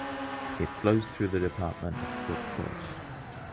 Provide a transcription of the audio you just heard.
It flows through the department of Haute-Corse.